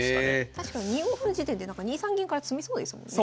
確かに２五歩の時点で２三銀から詰みそうですもんね。